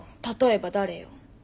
例えば誰よ？